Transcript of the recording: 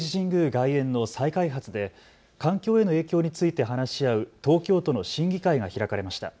外苑の再開発で環境への影響について話し合う東京都の審議会が開かれました。